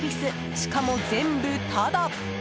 しかも全部タダ！